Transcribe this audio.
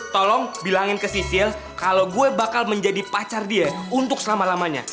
tolong bilangin ke sisil kalau gue bakal menjadi pacar dia untuk selama lamanya